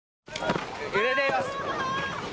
揺れています。